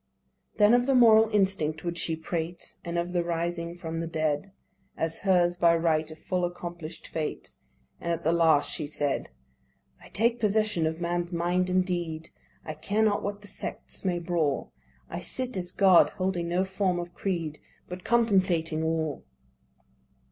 Then of the moral instinct would she prate And of the rising from the dead, As hers by right of full accomplish'd Fate; And at the last she said: "I take possession of man's mind and deed. I care not what the sects may brawl. I sit as God holding no form of creed, But contemplating all."